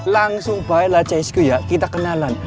langsung bayarlah csq ya kita kenalan